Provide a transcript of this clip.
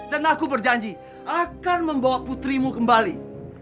dan aku berjanji akan membawa putrimu kembali